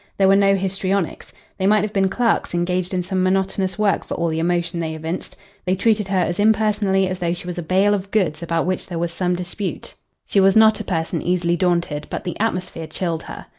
There were no histrionics. They might have been clerks engaged in some monotonous work for all the emotion they evinced. They treated her as impersonally as though she was a bale of goods about which there was some dispute. She was not a person easily daunted, but the atmosphere chilled her.